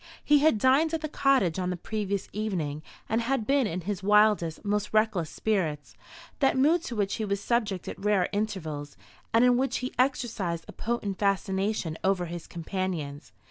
He had dined at the cottage on the previous evening, and had been in his wildest, most reckless spirits that mood to which he was subject at rare intervals, and in which he exercised a potent fascination over his companions.